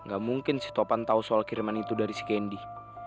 gak mungkin si topan tahu soal kiriman itu dari si kendi